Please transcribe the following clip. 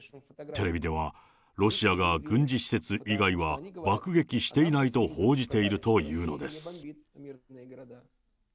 テレビでは、ロシアが軍事施設以外は爆撃していないと報じていると言うのです。